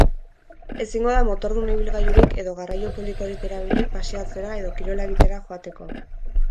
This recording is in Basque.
Ezingo da motordun ibilgailurik edo garraio publikorik erabili paseatzera edo kirola egitera joateko.